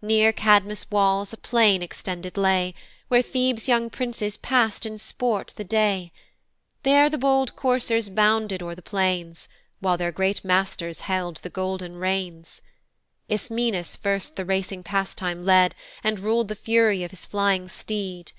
Near Cadmus' walls a plain extended lay, Where Thebes' young princes pass'd in sport the day: There the bold coursers bounded o'er the plains, While their great masters held the golden reins. Ismenus first the racing pastime led, And rul'd the fury of his flying steed.